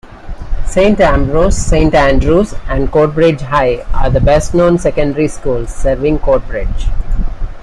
Saint Ambrose, Saint Andrew's and Coatbridge High are the best-known secondary schools serving Coatbridge.